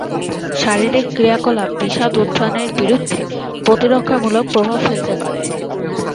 শারীরিক ক্রিয়াকলাপ বিষাদ উত্থানের বিরুদ্ধে প্রতিরক্ষামূলক প্রভাব ফেলতে পারে।